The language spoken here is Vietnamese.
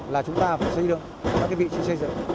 là chúng ta phải xây dựng các vị trí xây dựng